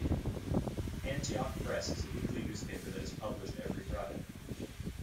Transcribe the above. Antioch Press is a weekly newspaper that is published every Friday.